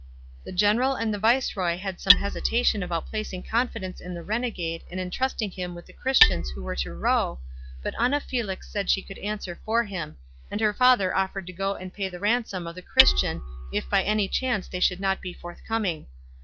The general and the viceroy had some hesitation about placing confidence in the renegade and entrusting him with the Christians who were to row, but Ana Felix said she could answer for him, and her father offered to go and pay the ransom of the Christians if by any chance they should not be forthcoming.